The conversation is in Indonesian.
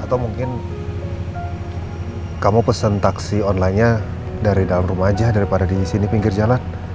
atau mungkin kamu pesen taksi online nya dari dalam rumah aja daripada di sini pinggir jalan